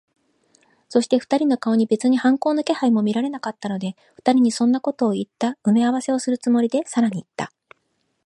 そして、二人の顔に別に反抗の気配も見られなかったので、二人にそんなことをいった埋合せをするつもりで、さらにいった。